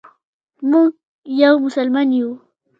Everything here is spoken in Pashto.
موږ یو مسلمان یو.